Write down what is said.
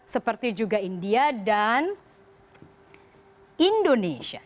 seperti juga india dan indonesia